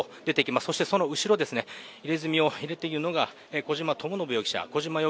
そしてその後ろ、入れ墨を入れているのが小島智信容疑者。